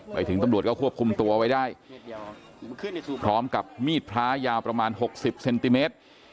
ไปถึงตำรวจก็ควบคุมตัวไว้ได้พร้อมกับมีดพระยาวประมาณ๖๐เซนติเมตร